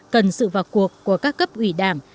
cần sự vào cuộc của các cấp ủy đảng